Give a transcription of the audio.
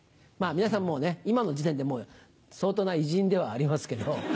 皆さん今の時点でもう相当な偉人ではありますけど。